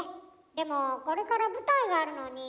でもこれから舞台があるのに。